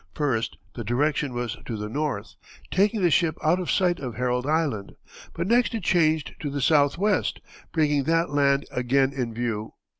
First, the direction was to the north, taking the ship out of sight of Herald Island, but next it changed to the southwest, bringing that land again in view.